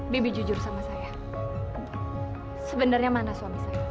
baby jujur sama saya sebenarnya mana suami saya